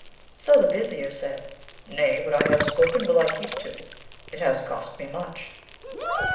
So the Vizier said, 'Nay, what I have spoken will I keep to; it has cost me much.'